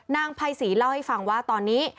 ภัยศรีเล่าให้ฟังว่าตอนนี้